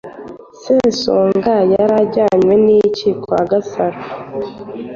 Sesonga yari ajyanwe n’ iki kwa Gasaro?